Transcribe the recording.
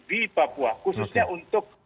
di papua khususnya untuk